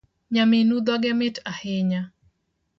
Nyaminu dhoge mit ahinya